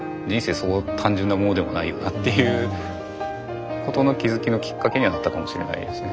そう単純なものでもないよなっていうことの気付きのきっかけにはなったかもしれないですね。